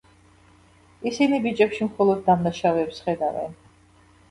ისინი ბიჭებში მხოლოდ დამნაშავეებს ხედავენ.